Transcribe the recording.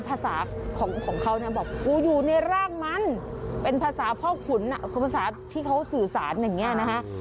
ภาษาของเขานะบอกกูอยู่ในร่างมันเป็นภาษาพ่อขุนภาษาที่เขาสื่อสารอย่างนี้นะฮะ